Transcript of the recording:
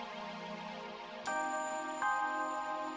mama tak bakal tatam